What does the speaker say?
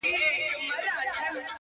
• پېښه د تماشې بڼه اخلي او درد پټيږي..